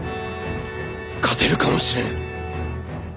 勝てるかもしれぬ。